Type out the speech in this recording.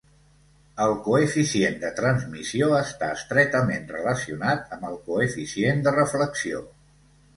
El coeficient de transmissió està estretament relacionat amb el coeficient de reflexió.